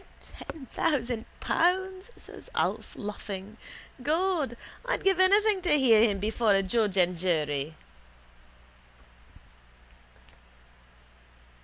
—Ten thousand pounds, says Alf, laughing. God, I'd give anything to hear him before a judge and jury.